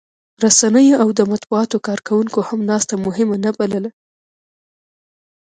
رسنیو او د مطبوعاتو کارکوونکو هم ناسته مهمه نه بلله